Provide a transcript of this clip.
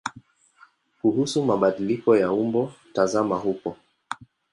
Kuhusu mabadiliko ya umbo tazama huko.